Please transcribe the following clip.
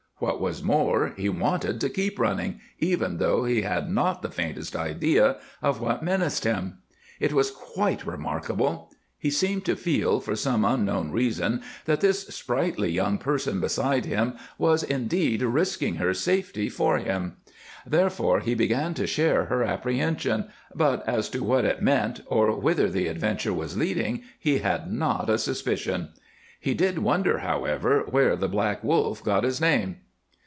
What was more, he wanted to keep running, even though he had not the faintest idea of what menaced him. It was quite remarkable. He seemed to feel, for some unknown reason, that this sprightly young person beside him was indeed risking her safety for him. Therefore, he began to share her apprehensions, but as to what it meant or whither the adventure was leading he had not a suspicion. He did wonder, however, where the Black Wolf got his name.